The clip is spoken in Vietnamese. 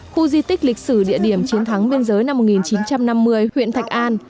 khu di tích lịch sử địa điểm chiến thắng biên giới năm một nghìn chín trăm năm mươi huyện thạch an